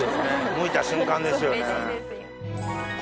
むいた瞬間ですよね。